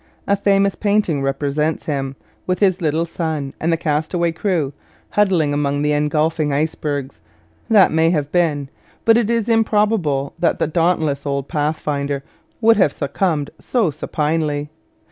A famous painting represents him, with his little son and the castaway crew, huddling among the engulfing icebergs. That may have been; but it is improbable that the dauntless old pathfinder would have succumbed so supinely.